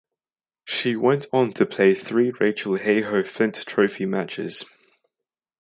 She went on to play three Rachael Heyhoe Flint Trophy matches.